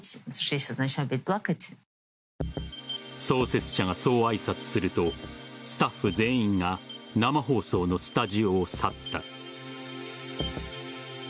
創設者がそう挨拶するとスタッフ全員が生放送のスタジオを去った。